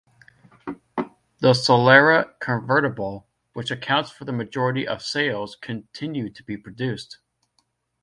The Solara convertible, which accounts for the majority of sales, continued to be produced.